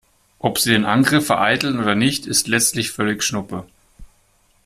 Ob sie den Angriff vereiteln oder nicht, ist letztlich völlig schnuppe.